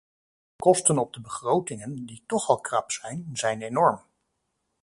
De kosten op de begrotingen, die toch al krap zijn, zijn enorm.